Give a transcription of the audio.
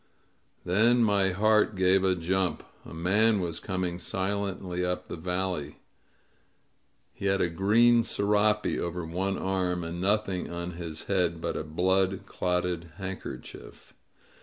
Then my heart gave a jump. A man was coining silently up the valley. He had a green serape over one arm, and nothing on his head but a blood clotted hand kerchief.